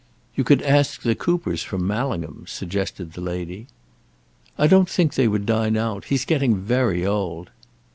"You could ask the Coopers from Mallingham," suggested the lady. "I don't think they would dine out. He's getting very old."